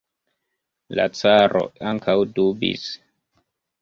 La caro ankaŭ dubis.